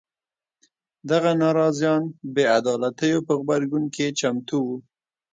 دغه ناراضیان بې عدالیتو په غبرګون کې چمتو وو.